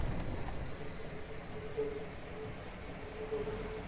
রিপন চক্রবর্তীর ওপর হামলার কিছুদিন আগে খালেদের বাবা কাজী বেলায়েত অসুস্থ হন।